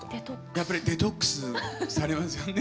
やっぱりデトックスされますよね？